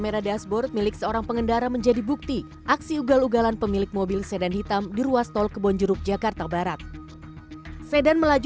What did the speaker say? rabu sore membenarkan peristiwa ini terjadi pada tujuh belas desember lalu